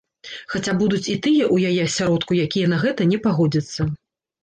Хаця будуць і тыя ў яе асяродку, якія на гэта не пагодзяцца.